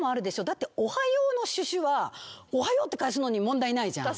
だって「おはよう」の「シュシュ」は「おはよう」って返すのに問題ないじゃん。